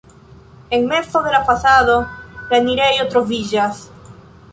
En mezo de la fasado la enirejo troviĝas.